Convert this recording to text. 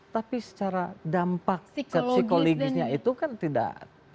tapi secara dampak psikologisnya itu kan tidak